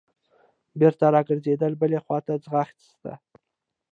بېرته راګرځېده بلې خوا ته ځغسته.